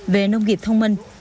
về nông nghiệp thông minh